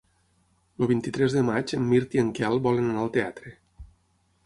El vint-i-tres de maig en Mirt i en Quel volen anar al teatre.